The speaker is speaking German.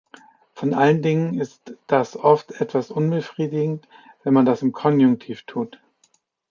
Vor allen Dingen ist das oft etwas unbefriedigend, wenn man das im Konjunktiv tut.